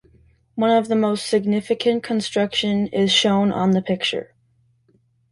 One of the most significant construction is shown on the picture.